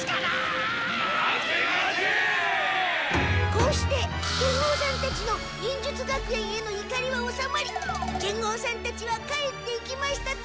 こうして剣豪さんたちの忍術学園へのいかりはおさまり剣豪さんたちは帰っていきましたとさ。